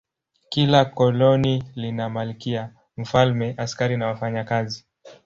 Kila koloni lina malkia, mfalme, askari na wafanyakazi.